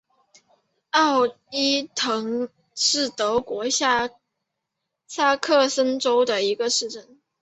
奥伊滕是德国下萨克森州的一个市镇。